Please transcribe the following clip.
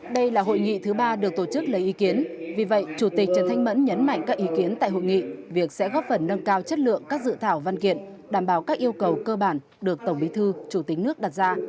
đây là hội nghị thứ ba được tổ chức lấy ý kiến vì vậy chủ tịch trần thanh mẫn nhấn mạnh các ý kiến tại hội nghị việc sẽ góp phần nâng cao chất lượng các dự thảo văn kiện đảm bảo các yêu cầu cơ bản được tổng bí thư chủ tịch nước đặt ra